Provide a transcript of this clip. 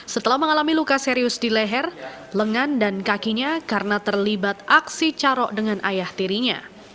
setelah mengalami luka serius di leher lengan dan kakinya karena terlibat aksi carok dengan ayah tirinya